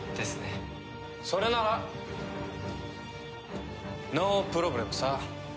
それならノープロブレムさ。